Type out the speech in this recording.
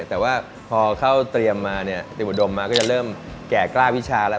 แต่ว่าทีมอุดดมมาก็จะเริ่มแก่กล้าวิชาระ